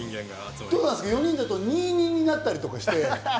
４人だと２、２になったりして。